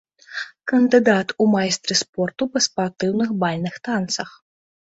Кандыдат у майстры спорту па спартыўных бальных танцах.